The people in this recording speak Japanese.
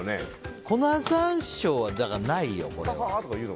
粉山椒はないよ、これは。